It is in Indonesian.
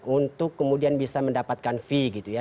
untuk kemudian bisa mendapatkan fee gitu ya